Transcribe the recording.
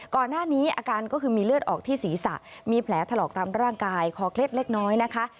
อาการก็คือมีเลือดออกที่ศีรษะมีแผลถลอกตามร่างกายคอเคล็ดเล็กน้อยนะคะ